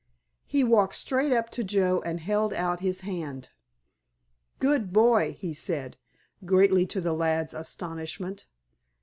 He walked straight up to Joe and held out his hand. "Good boy," he said, greatly to the lad's astonishment.